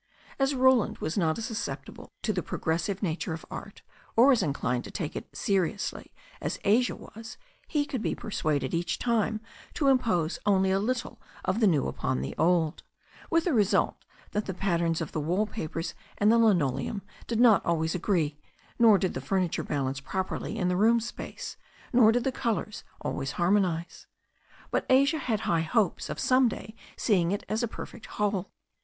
As Roland was not as susceptible to the progressive na« ture of art, or as inclined to take it seriously as Asia was, he could be persuaded each time to impose only a little of the new upon the old, with the result that the patterns of the wall pagers and the linoleum did not always agree, nor did the furniture balance properly in the room space, nor did the colours always harmonize. But Asia had high hopes of some day seeing it as a perfect whole.